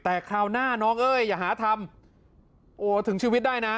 แต่คราวหน้าน้องเอ้ยอย่าหาทำโอ้ถึงชีวิตได้นะ